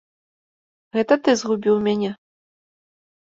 Гэта ты згубіў мяне!